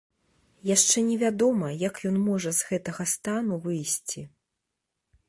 Яшчэ невядома, як ён можа з гэтага стану выйсці.